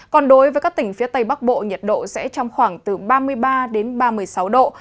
còn đối với các tỉnh phía tây bắc bộ nhiệt độ sẽ trong khoảng từ ba mươi ba đến ba mươi sáu độ